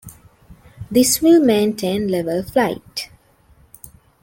This will maintain level flight.